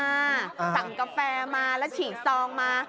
สั่งกาแฟมาแล้วฉีกซองมา